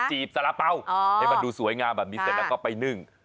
จีบสารเป๋าให้มันดูสวยงามแบบนี้เสร็จแล้วก็ไปนึ่ง